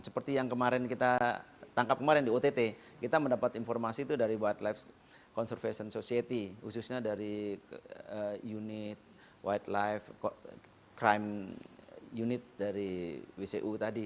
seperti yang kita tangkap kemarin di ott kita mendapat informasi dari wildlife conservation society khususnya dari unit wildlife crime unit dari wcu tadi